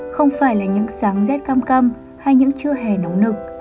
không phải là những sáng rét cam hay những trưa hè nóng nực